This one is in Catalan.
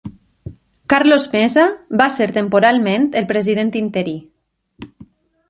Carlos Mesa va ser temporalment el president interí.